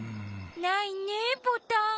ないねボタン。